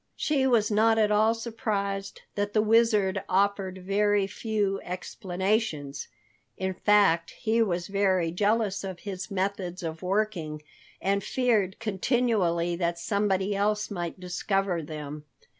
She was not at all surprised that the Wizard offered very few explanations. In fact, he was very jealous of his methods of working, and feared continually that somebody else might discover them.